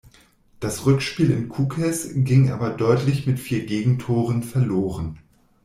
Das Rückspiel in Kukës ging aber deutlich mit vier Gegentoren verloren.